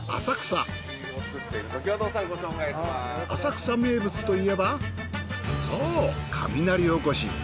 浅草名物といえばそう雷おこし。